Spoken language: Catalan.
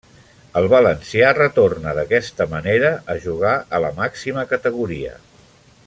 El valencià retorna d'aquesta manera a jugar a la màxima categoria.